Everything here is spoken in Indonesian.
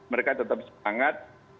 mereka tetap semangat